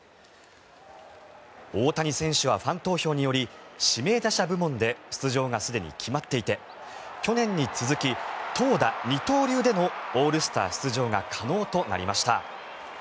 大谷選手はファン投票により指名打者部門で出場がすでに決まっていて去年に続き投打二刀流でのオールスター出場が可能となりました。